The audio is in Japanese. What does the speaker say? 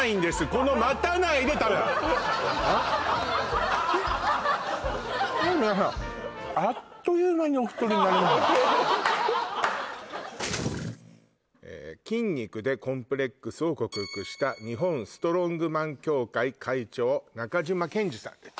この待たないで食べるねえ皆さん「筋肉でコンプレックスを克服した」「日本ストロングマン協会会長中嶋健詞」さんです